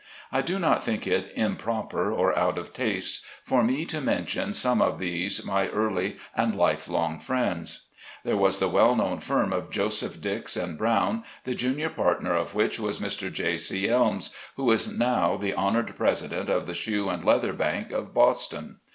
I do not think it improper or out of taste for me to mention some of these my early and life long friends. There was the well known firm of Joseph Dix & Brown, the junior partner of which was Mr. J. C. Elms, who is now the honored president of the Shoe and Leather Bank, of Boston.